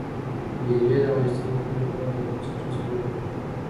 مېوې د افغانستان د ټولنې لپاره یو بنسټيز رول لري.